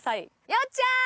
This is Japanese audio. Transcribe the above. よっちゃん